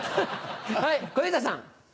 はい小遊三さん。